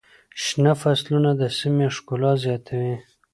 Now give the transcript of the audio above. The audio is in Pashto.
شنه فصلونه د سیمې ښکلا زیاتوي.